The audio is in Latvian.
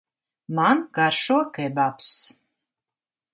Man garšo kebabs.